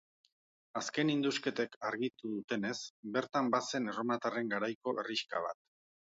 Azken indusketek argitu dutenez, bertan bazen erromatarren garaiko herrixka bat.